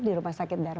ini anak anak penderita